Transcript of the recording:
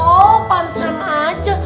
oh pantasan aja